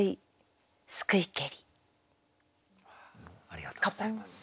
ありがとうございます。